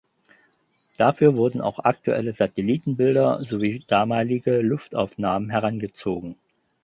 Dafür wurden auch aktuelle Satellitenbilder sowie damalige Luftaufnahmen herangezogen.